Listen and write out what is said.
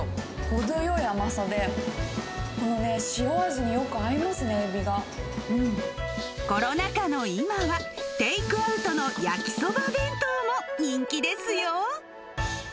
程よい甘さで、このね、塩味によコロナ禍の今は、テイクアウトの焼きそば弁当も人気ですよ。